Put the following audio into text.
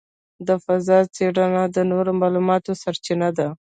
د فضاء څېړنه د نوو معلوماتو سرچینه ده.